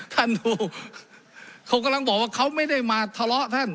ท่านดูเขากำลังบอกว่าเขาไม่ได้มาทะเลาะท่าน